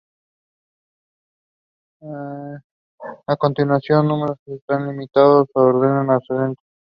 A continuación los números están listados en orden ascendente.